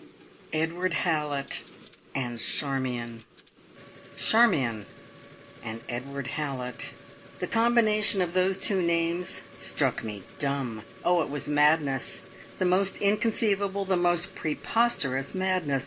Edward Hallett and Charmion! Charmion and Edward Hallett! The combination of those two names struck me dumb. Oh, it was madness the most inconceivable, the most preposterous madness.